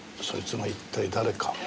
そいつが一体誰か。